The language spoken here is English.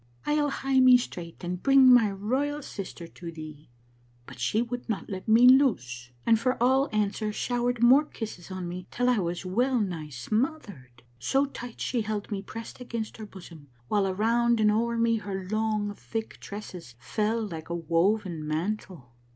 I'll hie me straight and bring my royal sister to thee.' " But she would not let me loose, and for all answer showered more kisses on me till I was well nigh smothered, so tight she held me pressed against her bosom, while around and over me her long thick tresses fell like a woven mantle.